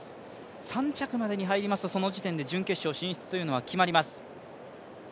３着までに入りますとその時点で準決勝進出が決まります。